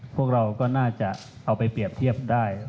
พวกเราก็น่าจะเอาไปเปรียบเทียบได้